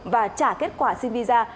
và trả kết quả xin visa